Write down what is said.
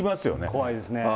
怖いですね。